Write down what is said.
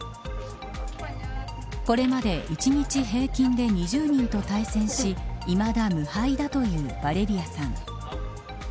これまで、一日平均で２０人と対戦しいまだ無敗だというバレリアさん。